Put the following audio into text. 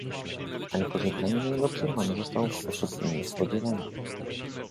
"Ale pożegnanie jego przerwane zostało w sposób niespodziewany."